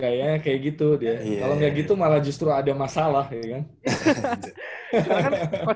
gaya kayak gitu dia kalo gak gitu malah justru ada masalah ya kan